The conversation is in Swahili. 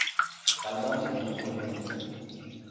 Albamu ina nyimbo nne tu.